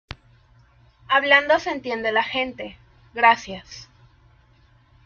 hablando se entiende la gente. gracias .